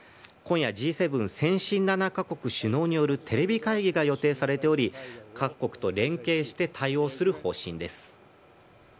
今夜Ｇ７・先進７か国首脳によるテレビ会議が予定されており各国と連携して対応する方針です。